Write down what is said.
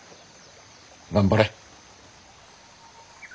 頑張れ。